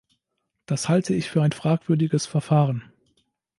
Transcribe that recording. Das halte ich für ein fragwürdiges Verfahren.